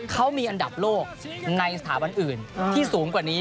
เขามีอันดับโลกในสถาบันอื่นที่สูงกว่านี้